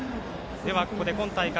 ここで今大会